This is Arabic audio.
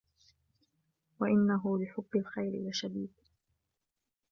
وإنه لحب الخير لشديد